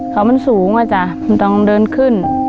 เกาสือสูงจังต้องเดินขึ้น